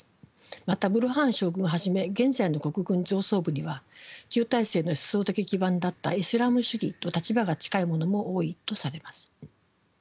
またブルハン将軍はじめ現在の国軍上層部には旧体制の思想的基盤だったイスラーム主義と立場が近い者も多いとされます。